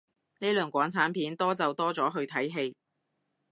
呢輪港產片多就多咗去睇戲